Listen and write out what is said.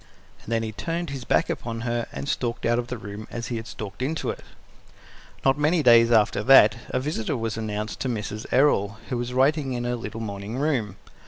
And then he turned his back upon her and stalked out of the room as he had stalked into it. Not many days after that, a visitor was announced to Mrs. Errol, who was writing in her little morning room.